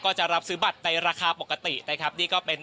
ก็จะรับซื้อบัตรในราคาปกตินะครับ